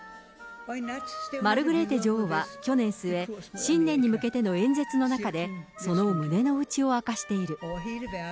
マルグレーテ女王は去年末、新年に向けての演説の中で、その胸の内を明かしている。